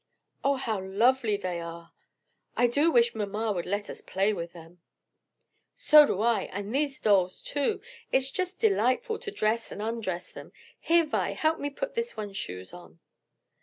"Oh how lovely they are! I do wish mamma would let us play with them." "So do I: and these dolls too. It's just delightful to dress and undress them. Here, Vi, help me put this one's shoes on."